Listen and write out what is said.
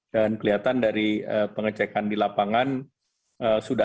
dan kelihatan dari pengecekan di lapangan sudah